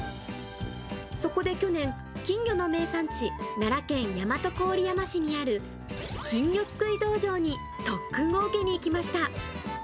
そこで去年、金魚の名産地、奈良県大和郡山市にある金魚すくい道場に特訓を受けにいきました。